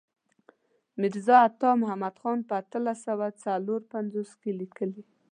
میرزا عطا محمد خان په اتلس سوه څلور پنځوس کې لیکلی.